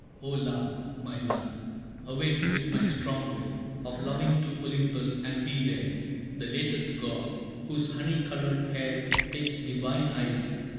«O love, my love! Awake with my strong will Of loving to Olympus and be there The latest god, whose honey coloured hair Takes divine eyes!